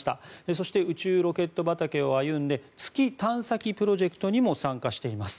そして宇宙ロケット畑を歩んで月探査機プロジェクトにも参加しています。